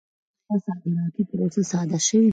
آیا صادراتي پروسه ساده شوې؟